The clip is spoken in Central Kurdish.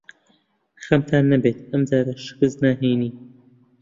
خەمتان نەبێت. ئەم جارە شکست ناهێنین.